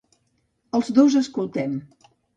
Els dos escoltem.